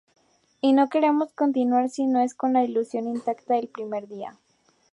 Y no queremos continuar si no es con la ilusión intacta del primer día.